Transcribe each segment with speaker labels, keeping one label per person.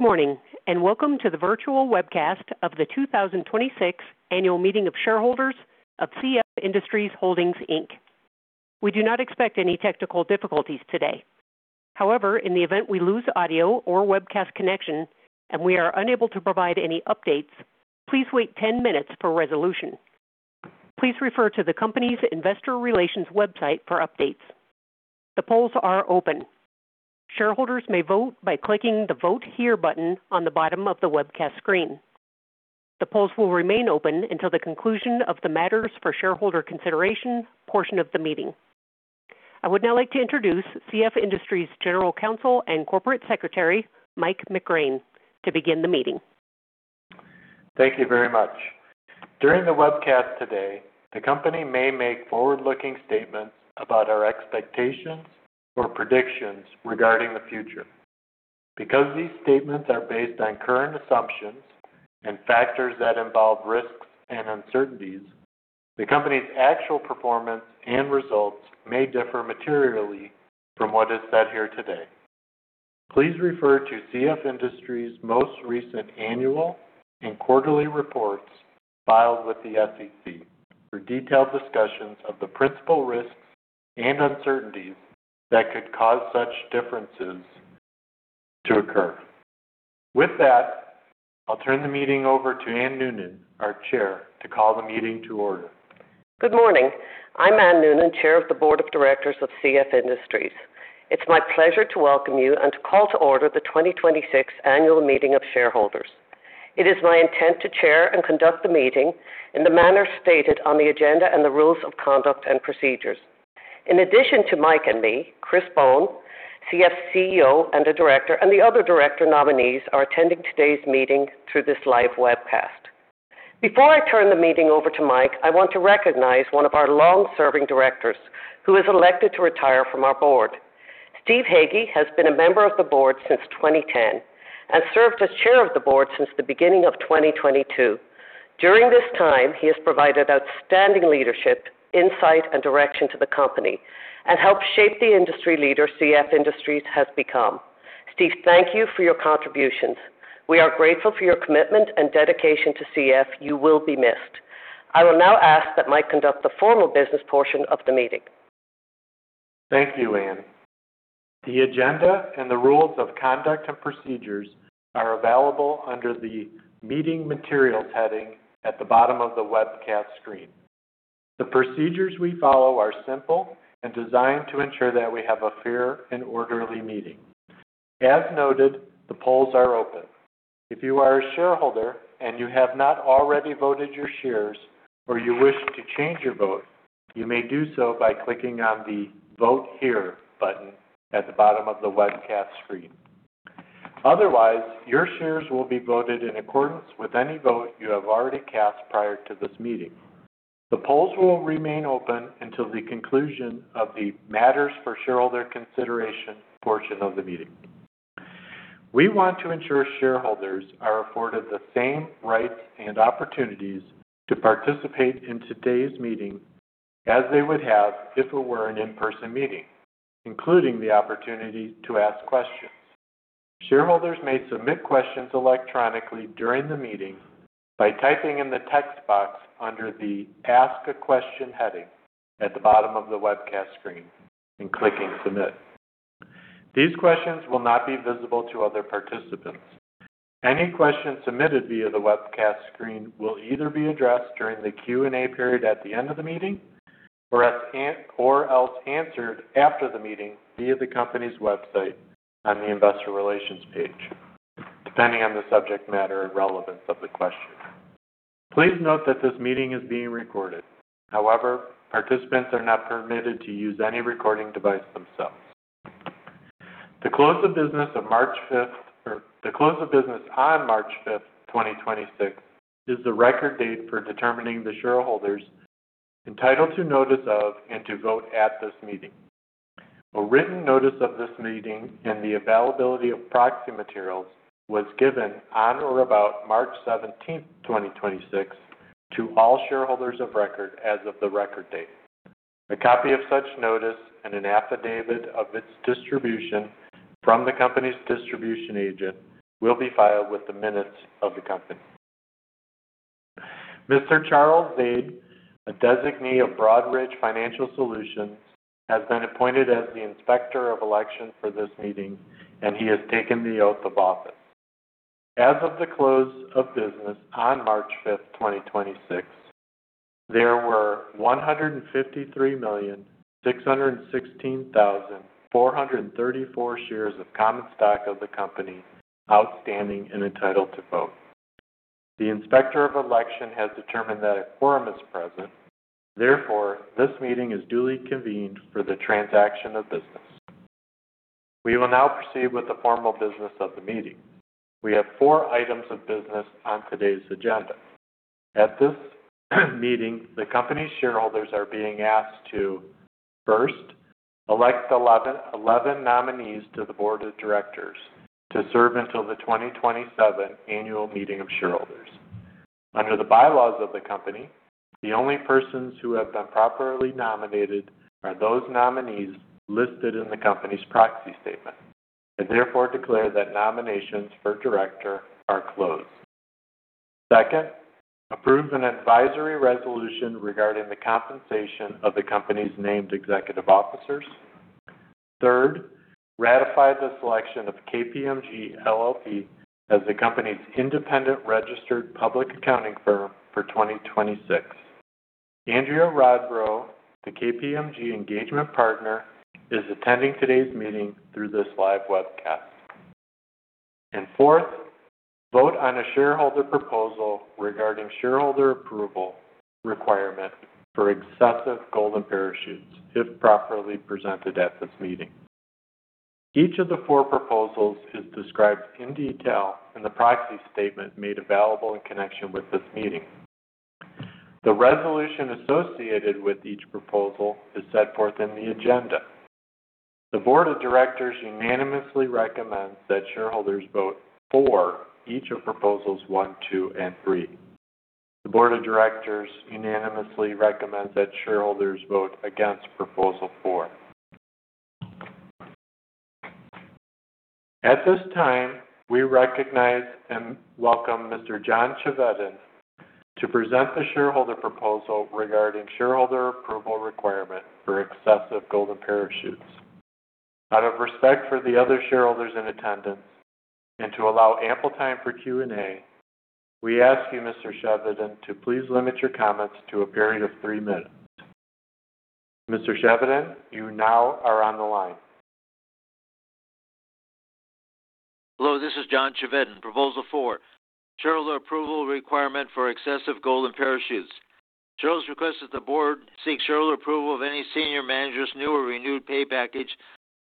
Speaker 1: Morning. Welcome to the virtual webcast of the 2026 annual meeting of shareholders of CF Industries Holdings, Inc. We do not expect any technical difficulties today. In the event we lose audio or webcast connection, and we are unable to provide any updates, please wait 10 minutes for resolution. Please refer to the company's investor relations website for updates. The polls are open. Shareholders may vote by clicking the Vote Here button on the bottom of the webcast screen. The polls will remain open until the conclusion of the matters for shareholder consideration portion of the meeting. I would now like to introduce CF Industries General Counsel and Corporate Secretary, Mike McGrane, to begin the meeting.
Speaker 2: Thank you very much. During the webcast today, the company may make forward-looking statements about our expectations or predictions regarding the future. Because these statements are based on current assumptions and factors that involve risks and uncertainties, the company's actual performance and results may differ materially from what is said here today. Please refer to CF Industries' most recent annual and quarterly reports filed with the SEC for detailed discussions of the principal risks and uncertainties that could cause such differences to occur. With that, I'll turn the meeting over to Anne Noonan, our Chair, to call the meeting to order.
Speaker 3: Good morning. I'm Anne Noonan, Chair of the Board of Directors of CF Industries. It's my pleasure to welcome you and to call to order the 2026 annual meeting of shareholders. It is my intent to chair and conduct the meeting in the manner stated on the agenda and the rules of conduct and procedures. In addition to Mike and me, Chris Bohn, CF's CEO and a Director, and the other Director nominees are attending today's meeting through this live webcast. Before I turn the meeting over to Mike, I want to recognize one of our long-serving directors who has elected to retire from our Board. Steve Hagge has been a member of the board since 2010 and served as Chair of the Board since the beginning of 2022. During this time, he has provided outstanding leadership, insight, and direction to the company and helped shape the industry leader CF Industries has become. Steve, thank you for your contributions. We are grateful for your commitment and dedication to CF. You will be missed. I will now ask that Mike conduct the formal business portion of the meeting.
Speaker 2: Thank you, Anne. The agenda and the rules of conduct and procedures are available under the Meeting Materials heading at the bottom of the webcast screen. The procedures we follow are simple and designed to ensure that we have a fair and orderly meeting. As noted, the polls are open. If you are a shareholder and you have not already voted your shares or you wish to change your vote, you may do so by clicking on the Vote Here button at the bottom of the webcast screen. Otherwise, your shares will be voted in accordance with any vote you have already cast prior to this meeting. The polls will remain open until the conclusion of the matters for shareholder consideration portion of the meeting. We want to ensure shareholders are afforded the same rights and opportunities to participate in today's meeting as they would have if it were an in-person meeting, including the opportunity to ask questions. Shareholders may submit questions electronically during the meeting by typing in the text box under the Ask a Question heading at the bottom of the webcast screen and clicking Submit. These questions will not be visible to other participants. Any questions submitted via the webcast screen will either be addressed during the Q&A period at the end of the meeting or else answered after the meeting via the company's website on the Investor Relations page, depending on the subject matter and relevance of the question. Please note that this meeting is being recorded. However, participants are not permitted to use any recording device themselves. The close of business of March 5th. The close of business on March 5th, 2026, is the record date for determining the shareholders entitled to notice of and to vote at this meeting. A written notice of this meeting and the availability of proxy materials was given on or about March 17th, 2026, to all shareholders of record as of the record date. A copy of such notice and an affidavit of its distribution from the company's distribution agent will be filed with the minutes of the company. Mr. Charles, a designee of Broadridge Financial Solutions, has been appointed as the inspector of election for this meeting, and he has taken the oath of office. As of the close of business on March 5th, 2026, there were 153,616,434 shares of common stock of the company outstanding and entitled to vote. The inspector of election has determined that a quorum is present. This meeting is duly convened for the transaction of business. We will now proceed with the formal business of the meeting. We have four items of business on today's agenda. At this meeting, the company's shareholders are being asked to, first, elect 11 nominees to the board of directors to serve until the 2027 annual meeting of shareholders. Under the bylaws of the company, the only persons who have been properly nominated are those nominees listed in the company's proxy statement, and therefore declare that nominations for Director are closed. Second, approve an advisory resolution regarding the compensation of the company's named executive officers. Third, ratify the selection of KPMG LLP as the company's independent registered public accounting firm for 2026. Andrea Rodbro, the KPMG engagement partner, is attending today's meeting through this live webcast. Fourth, vote on a shareholder proposal regarding shareholder approval requirement for excessive golden parachutes if properly presented at this meeting. Each of the four proposals is described in detail in the proxy statement made available in connection with this meeting. The resolution associated with each proposal is set forth in the agenda. The board of directors unanimously recommends that shareholders vote for each of Proposals 1, 2, and 3. The board of directors unanimously recommends that shareholders vote against Proposal 4. At this time, we recognize and welcome Mr. John Chevedden to present the shareholder proposal regarding shareholder approval requirement for excessive golden parachutes. Out of respect for the other shareholders in attendance and to allow ample time for Q&A, we ask you, Mr. Chevedden, to please limit your comments to a period of three minutes. Mr. Chevedden, you now are on the line.
Speaker 4: Hello, this is John Chevedden, Proposal 4, shareholder approval requirement for excessive golden parachutes. Shareholders request that the board seek shareholder approval of any senior manager's new or renewed pay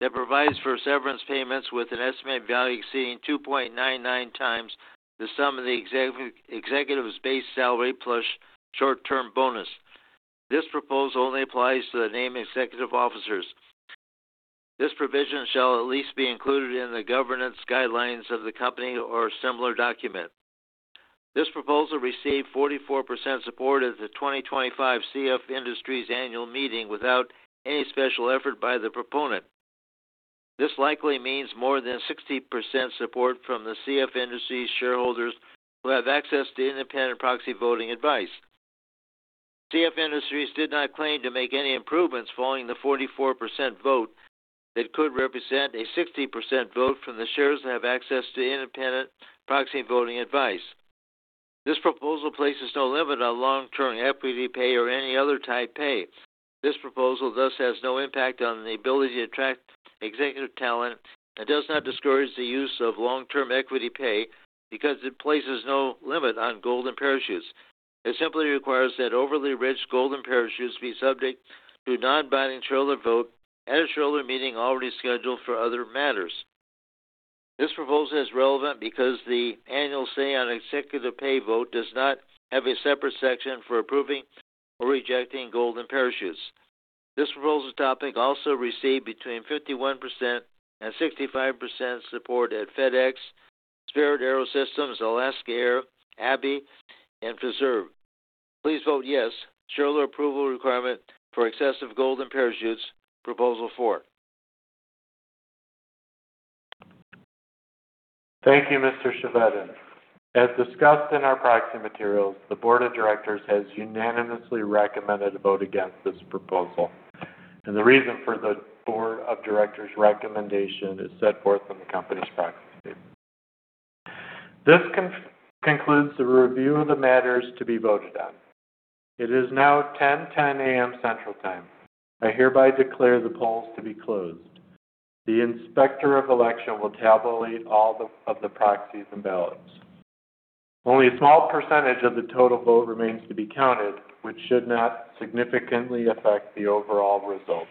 Speaker 4: package that provides for severance payments with an estimated value exceeding 2.99x the sum of the executive's base salary plus short-term bonus. This proposal only applies to the named executive officers. This provision shall at least be included in the governance guidelines of the company or a similar document. This proposal received 44% support at the 2025 CF Industries annual meeting without any special effort by the proponent. This likely means more than 60% support from the CF Industries shareholders who have access to independent proxy voting advice. CF Industries did not claim to make any improvements following the 44% vote that could represent a 60% vote from the shareholders that have access to independent proxy voting advice. This proposal places no limit on long-term equity pay or any other type pay. This proposal thus has no impact on the ability to attract executive talent and does not discourage the use of long-term equity pay because it places no limit on golden parachutes. It simply requires that overly rich golden parachutes be subject to non-binding shareholder vote at a shareholder meeting already scheduled for other matters. This proposal is relevant because the annual say on executive pay vote does not have a separate section for approving or rejecting golden parachutes. This proposal topic also received between 51% and 65% support at FedEx, Spirit AeroSystems, Alaska Air, AbbVie, and Fiserv. Please vote yes. Shareholder approval requirement for excessive golden parachutes, Proposal 4.
Speaker 2: Thank you, Mr. Chevedden. As discussed in our proxy materials, the board of directors has unanimously recommended a vote against this proposal. The reason for the board of directors' recommendation is set forth in the company's proxy statement. This concludes the review of the matters to be voted on. It is now 10:10 A.M. Central Time. I hereby declare the polls to be closed. The inspector of election will tabulate all of the proxies and ballots. Only a small percentage of the total vote remains to be counted, which should not significantly affect the overall results.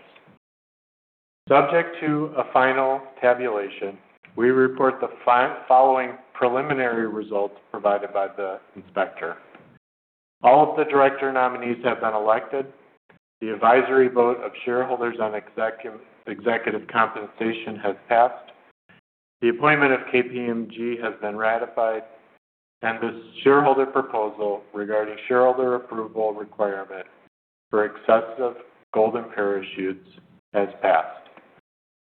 Speaker 2: Subject to a final tabulation, we report the following preliminary results provided by the inspector. All of the director nominees have been elected. The advisory vote of shareholders on executive compensation has passed. The appointment of KPMG has been ratified. The shareholder proposal regarding shareholder approval requirement for excessive golden parachutes has passed.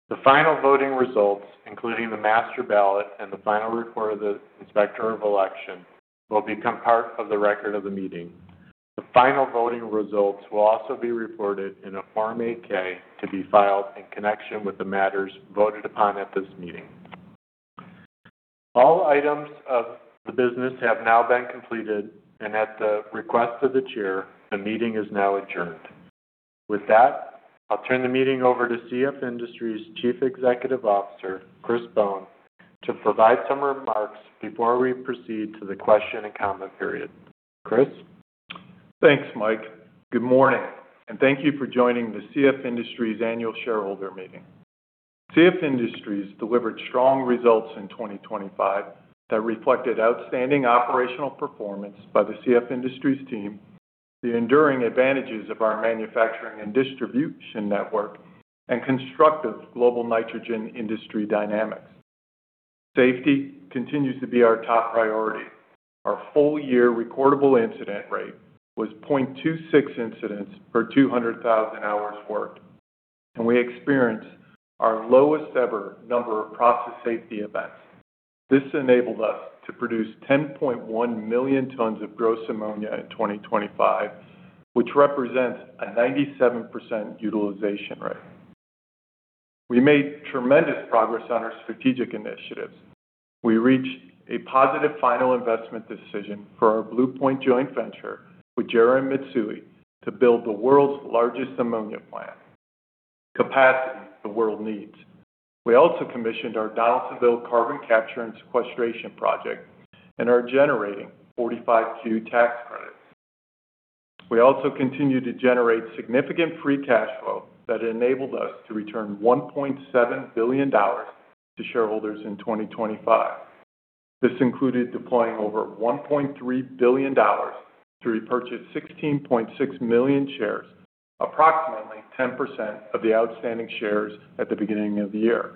Speaker 2: The final voting results, including the master ballot and the final report of the inspector of election, will become part of the record of the meeting. The final voting results will also be reported in a Form 8-K to be filed in connection with the matters voted upon at this meeting. All items of the business have now been completed. At the request of the Chair, the meeting is now adjourned. With that, I'll turn the meeting over to CF Industries' Chief Executive Officer, Chris Bohn, to provide some remarks before we proceed to the question and comment period. Chris?
Speaker 5: Thanks, Mike. Good morning. Thank you for joining the CF Industries Annual Shareholder Meeting. CF Industries delivered strong results in 2025 that reflected outstanding operational performance by the CF Industries team, the enduring advantages of our manufacturing and distribution network, and constructive global nitrogen industry dynamics. Safety continues to be our top priority. Our full-year recordable incident rate was 0.26 incidents per 200,000 hours worked. We experienced our lowest-ever number of process safety events. This enabled us to produce 10.1 million tons of gross ammonia in 2025, which represents a 97% utilization rate. We made tremendous progress on our strategic initiatives. We reached a positive final investment decision for our Blue Point joint venture with JERA and Mitsui to build the world's largest ammonia plant, capacity the world needs. We also commissioned our Donaldsonville carbon capture and sequestration project and are generating 45Q tax credits. We also continue to generate significant free cash flow that enabled us to return $1.7 billion to shareholders in 2025. This included deploying over $1.3 billion to repurchase 16.6 million shares, approximately 10% of the outstanding shares at the beginning of the year.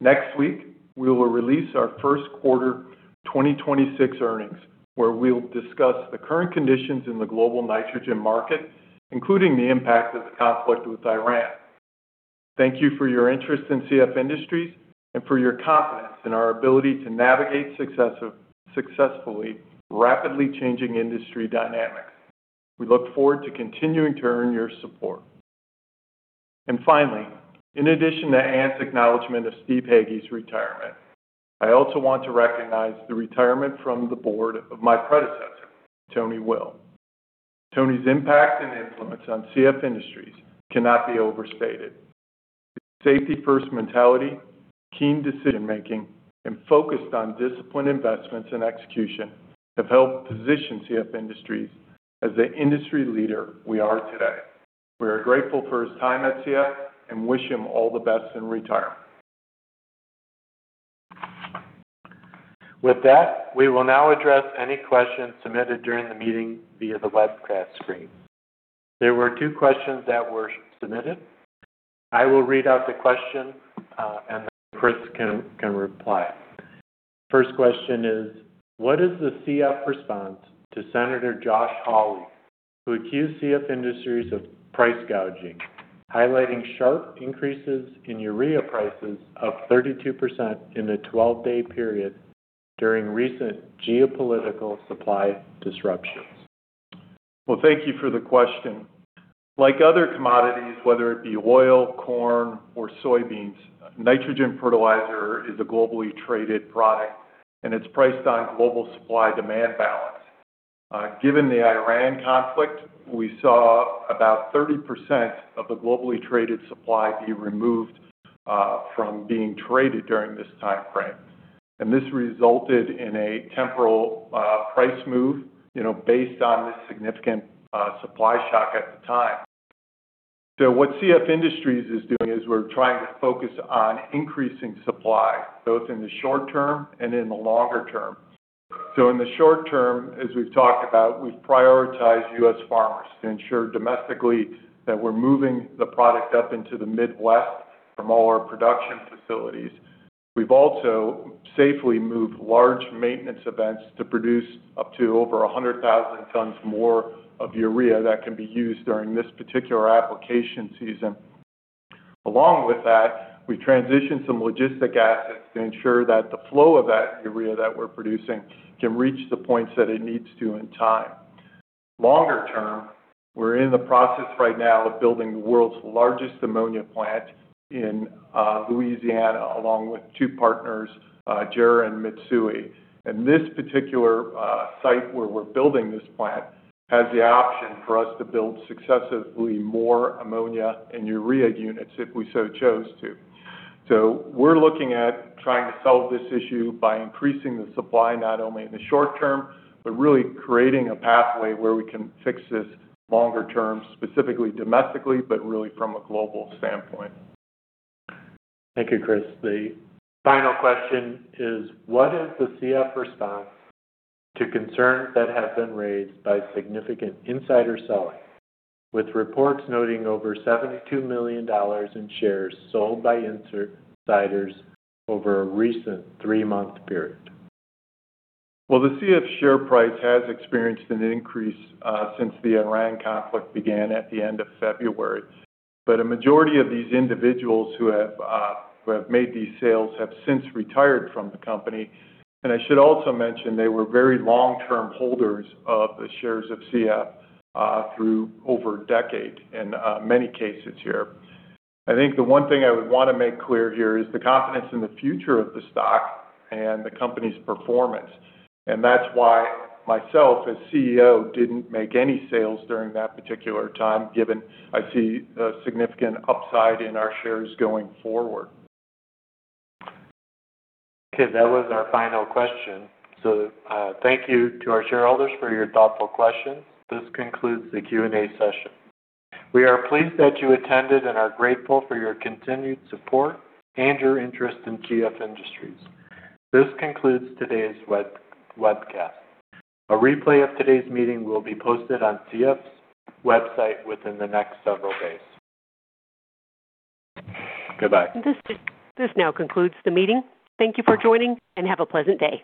Speaker 5: Next week, we will release our first quarter 2026 earnings, where we'll discuss the current conditions in the global nitrogen market, including the impact of the conflict with Iran. Thank you for your interest in CF Industries and for your confidence in our ability to navigate successfully, rapidly changing industry dynamics. We look forward to continuing to earn your support. Finally, in addition to Anne's acknowledgement of Steve Hagge's retirement, I also want to recognize the retirement from the board of my predecessor, Tony Will. Tony's impact and influence on CF Industries cannot be overstated. His safety-first mentality, keen decision-making, and focused on disciplined investments and execution have helped position CF Industries as the industry leader we are today. We are grateful for his time at CF and wish him all the best in retirement. With that, we will now address any questions submitted during the meeting via the webcast screen.
Speaker 2: There were two questions that were submitted. I will read out the question, and then Chris can reply. First question is, what is the CF response to Senator Josh Hawley, who accused CF Industries of price gouging, highlighting sharp increases in Urea prices of 32% in a 12-day period during recent geopolitical supply disruptions?
Speaker 5: Well, thank you for the question. Like other commodities, whether it be oil, corn, or soybeans, nitrogen fertilizer is a globally traded product, and it's priced on global supply-demand balance. Given the Iran conflict, we saw about 30% of the globally traded supply be removed from being traded during this timeframe. This resulted in a temporal price move, you know, based on this significant supply shock at the time. What CF Industries is doing is we're trying to focus on increasing supply, both in the short term and in the longer term. In the short term, as we've talked about, we've prioritized U.S. farmers to ensure domestically that we're moving the product up into the Midwest from all our production facilities. We've also safely moved large maintenance events to produce up to over 100,000 tons more of Urea that can be used during this particular application season. We transitioned some logistic assets to ensure that the flow of that Urea that we're producing can reach the points that it needs to in time. Longer term, we're in the process right now of building the world's largest ammonia plant in Louisiana, along with two partners, JERA and Mitsui. This particular site where we're building this plant has the option for us to build successively more ammonia and Urea units if we so chose to. We're looking at trying to solve this issue by increasing the supply, not only in the short term, but really creating a pathway where we can fix this longer term, specifically domestically, but really from a global standpoint.
Speaker 2: Thank you, Chris. The final question is, what is the CF response to concerns that have been raised by significant insider selling, with reports noting over $72 million in shares sold by insiders over a recent three-month period?
Speaker 5: Well, the CF share price has experienced an increase since the Iran conflict began at the end of February, but a majority of these individuals who have made these sales have since retired from the company. I should also mention they were very long-term holders of the shares of CF through over a decade in many cases here. I think the one thing I would want to make clear here is the confidence in the future of the stock and the company's performance. And that's why myself, as CEO, didn't make any sales during that particular time, given I see a significant upside in our shares going forward.
Speaker 2: Okay. That was our final question. Thank you to our shareholders for your thoughtful questions. This concludes the Q&A session. We are pleased that you attended and are grateful for your continued support and your interest in CF Industries. This concludes today's webcast. A replay of today's meeting will be posted on CF's website within the next several days. Goodbye.
Speaker 1: This now concludes the meeting. Thank you for joining, and have a pleasant day.